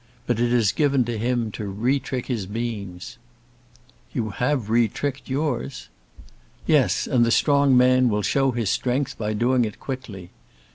But it is given to him to retrick his beams." "You have retricked yours." "Yes; and the strong man will show his strength by doing it quickly.